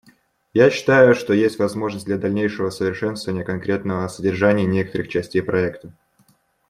Я считаю, что есть возможность для дальнейшего совершенствования конкретного содержания некоторых частей проекта.